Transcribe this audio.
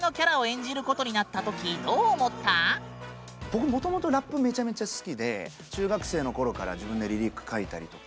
僕もともとラップめちゃめちゃ好きで中学生の頃から自分でリリック書いたりとか。